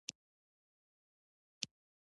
د چين د کرنیزې جنترې درېیمه میاشت ده.